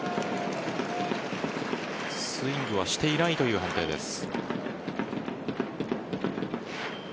スイングはしていないという判定です。